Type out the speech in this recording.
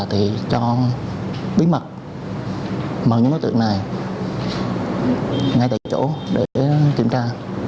thì cho bí mật mà những đối tượng này ngay tại chỗ để kiểm tra